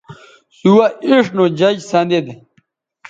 سوہ اِڇھ نو جج سندید